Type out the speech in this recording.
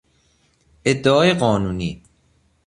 ادعای قانونی